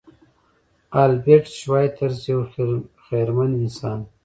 البرټ شوایتزر یو خیرمن انسان و.